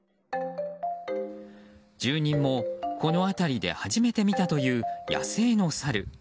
住人も、この辺りで初めて見たという野生のサル。